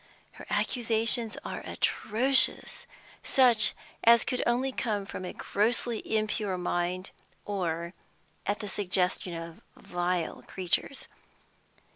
Her accusations are atrocious, such as could only come from a grossly impure mind, or at the suggestion of vile creatures.